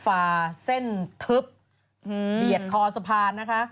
ฝ่าเส้นทึบเบียดคอสะพานนะคะ